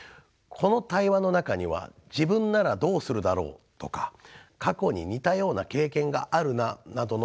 この対話の中には自分ならどうするだろうとか過去に似たような経験があるななどの感想も含まれます。